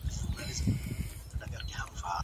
تل زاړه کفن کښان له خدایه غواړي